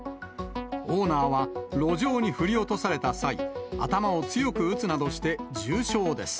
オーナーは路上に振り落とされた際、頭を強く打つなどして重傷です。